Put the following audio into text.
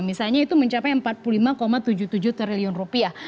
misalnya itu mencapai empat puluh lima tujuh puluh tujuh triliun rupiah